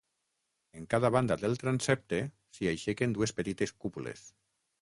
En cada banda del transsepte s'hi aixequen dues petites cúpules.